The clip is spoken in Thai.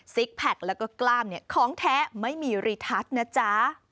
ซิกแพคและก็กล้ามของแท้ไม่มีรีทัศน์นะจ๊ะ